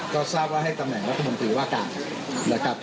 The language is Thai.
ก็ทราบว่าให้ตำแหน่งรัฐมนตรีว่าการนะครับ